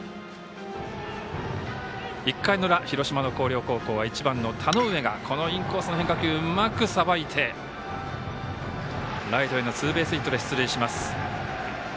１回の裏、広島の広陵高校は１番の田上がこのインコースの変化球うまくさばいてライトへのツーベースヒットで出塁します。